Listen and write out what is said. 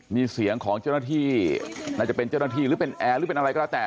มีเสียงของเจ้าหน้าที่น่าจะเป็นเจ้าหน้าที่หรือเป็นแอร์หรือเป็นอะไรก็แล้วแต่